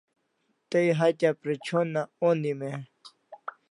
Tay hatya pre'chona onim e?